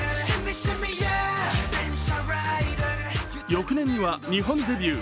翌年には日本デビュー。